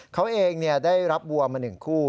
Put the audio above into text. เขาเองได้รับวัวมา๑คู่